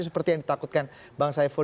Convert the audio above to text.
seperti yang ditakutkan bang saiful